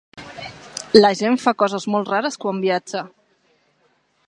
La gent fa coses molt rares, quan viatja.